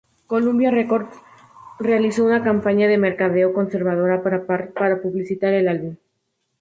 Columbia Records realizó una campaña de mercadeo conservadora para publicitar el álbum.